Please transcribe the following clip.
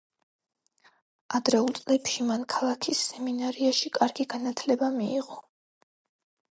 ადრეულ წლებში მან ქალაქის სემინარიაში კარგი განათლება მიიღო.